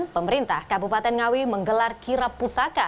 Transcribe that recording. pemerintah kabupaten ngawi menggelar kirap pusaka